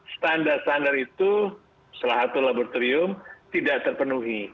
standar standar itu salah satu laboratorium tidak terpenuhi